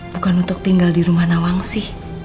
bukan untuk tinggal di rumah nawangsi